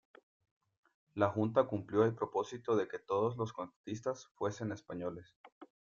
La Junta cumplió el propósito de que todos los contratistas fuesen españoles.